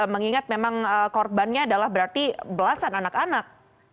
mengingat memang korbannya adalah berarti belasan anak anak